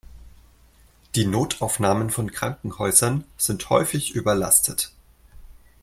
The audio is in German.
Die Notaufnahmen von Krankenhäusern sind häufig überlastet.